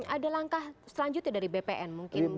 ada langkah selanjutnya dari bpn mungkin